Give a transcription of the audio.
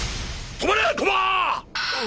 止まれ駒！